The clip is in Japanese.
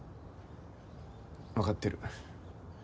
分かってる。